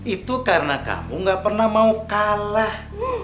itu karena kamu gak pernah mau kalah